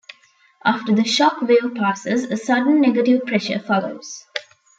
After the shock wave passes, a sudden negative pressure follows.